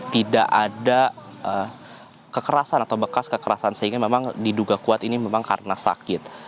tidak ada kekerasan atau bekas kekerasan sehingga memang diduga kuat ini memang karena sakit